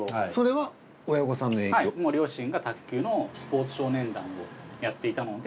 はいもう両親が卓球のスポーツ少年団をやっていたので。